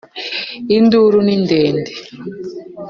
Induru ni ndende